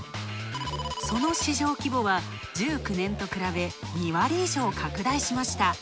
その市場規模は１９年と比べ２割以上拡大しました。